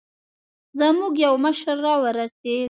زموږ يو مشر راورسېد.